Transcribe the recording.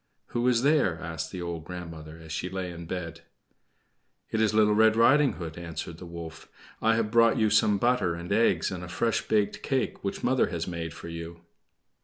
"Who is there?" asked the old grandmother, as she lay in bed. "It is Little Red Riding Hood," answered the wolf. "I have brought you some butter and eggs and a fresh baked cake which mother has made for you."